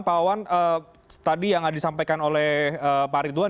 pak wawan tadi yang disampaikan oleh pak ridwan